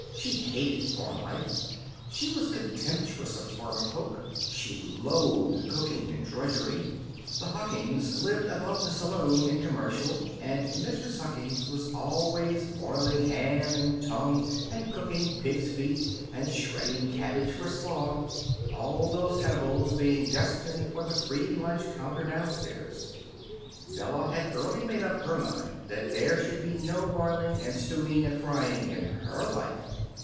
She hated farm life. She was contemptuous of farmer folk. She loathed cooking and drudgery. The Huckinses lived above the saloon in Commercial and Mrs. Huckins was always boiling ham and tongue and cooking pigs' feet and shredding cabbage for slaw, all these edibles being destined for the free lunch counter downstairs. Bella had early made up her mind that there should be no boiling and stewing and frying in her life.